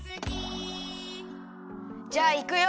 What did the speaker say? じゃあいくよ！